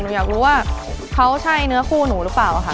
หนูอยากรู้ว่าเขาใช่เนื้อคู่หนูหรือเปล่าค่ะ